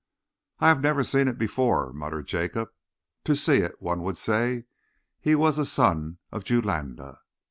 "I have never seen it before," muttered Jacob. "To see it, one would say he was a son of Julanda."